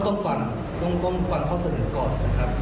ต้องฟังต้องฟังข้อเสนอก่อนนะครับ